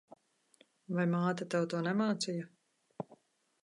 Vai māte tev to nemācīja?